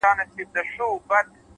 هر منزل له یوې پرېکړې پیلېږي’